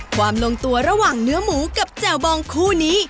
ลงตัวระหว่างเนื้อหมูกับแจ่วบองคู่นี้